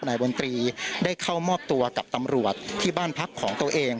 นายบนตรีได้เข้ามอบตัวกับตำรวจที่บ้านพักของตัวเอง